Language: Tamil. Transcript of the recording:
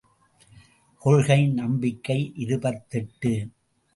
கொள்கை நம்பிக்கை இருபத்தெட்டு.